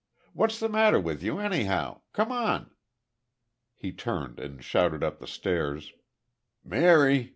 What's the matter with you, anyhow? Come on!" He turned, and shouted up the stairs: "Mary!